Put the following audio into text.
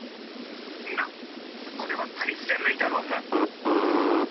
なっこれはクイズじゃないだろうが！